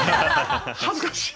恥ずかしい！